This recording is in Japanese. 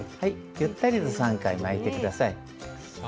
ゆったりと３回巻いて下さい。